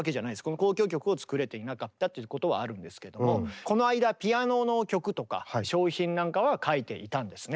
この交響曲を作れていなかったっていうことはあるんですけどもこの間ピアノの曲とか小品なんかは書いていたんですね。